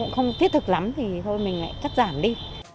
không thiết thực lắm thì thôi mình lại cắt giảm đi